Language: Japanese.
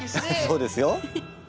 そうですよ。